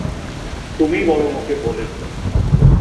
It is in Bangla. তুমিই বরং ওকে বলে দিও।